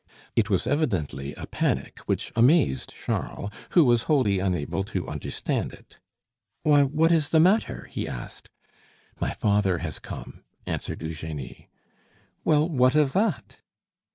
It was evidently a panic, which amazed Charles, who was wholly unable to understand it. "Why! what is the matter?" he asked. "My father has come," answered Eugenie. "Well, what of that?"